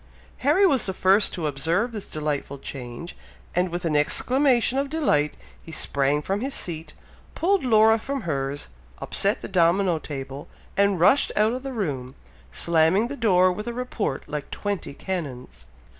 Harry was the first to observe this delightful change, and with an exclamation of delight, he sprang from his seat, pulled Laura from hers, upset the domino table, and rushed out of the room, slamming the door with a report like twenty cannons.